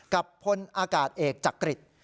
กับพลอากาศเอกจักริต